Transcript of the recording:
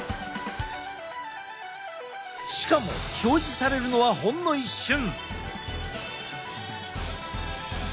しかも表示されるのはほんの一瞬！